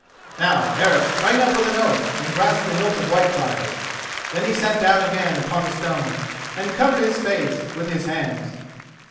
Now Eric sprang up with an oath and grasped the hilt of Whitefire. Then he sat down again upon the stone and covered his face with his hands.